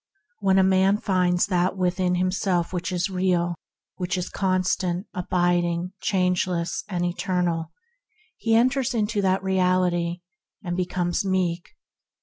When a man finds that within him which is real, which is constant, abiding, changeless, and eternal, he enters into that reality, and becomes meek.